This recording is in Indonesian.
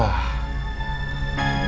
ya tapi aku suka